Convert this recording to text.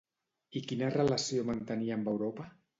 I quina relació mantenia amb Europa?